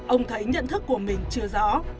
ông thấy nhận thức của mình chưa rõ